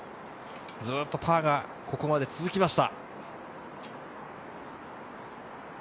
ずっとパーがここまで続きました。